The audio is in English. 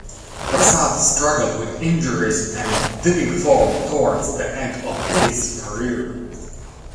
Prasad struggled with injuries and dipping form towards the end of his career.